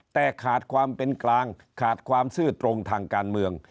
แต่ขาดความเป็นกลางขาดความซื่อตรงทางการเมือง